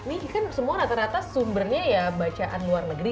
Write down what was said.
ini kan semua rata rata sumbernya ya bacaan luar negeri